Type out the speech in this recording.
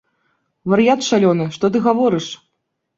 Вар'ят шалёны, што ты гаворыш?